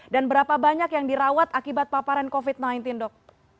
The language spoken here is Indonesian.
dan berapa banyak yang dirawat akibat paparan covid sembilan belas dok